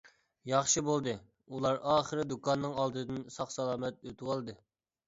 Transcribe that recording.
ياخشى بولدى، ئۇلار ئاخىرى دۇكاننىڭ ئالدىدىن ساق-سالامەت ئۆتۈۋالدى.